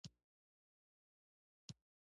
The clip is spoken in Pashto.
کلي د افغانستان د اقتصادي ودې لپاره ارزښت لري.